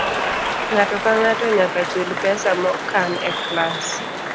Ng'ato ka ng'ato nyaka chul pesa mokan e klas.